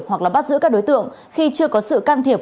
hoặc là bắt giữ các đối tượng khi chưa có sự can thiệp